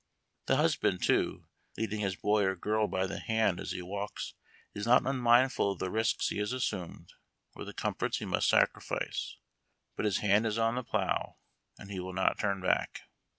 The husband, too, leading his boy or girl by the hand as he walks, is not unmindful of the risks he has assumed or the comforts he must sacrifice. But his hand is on the plough, and he will not turn back.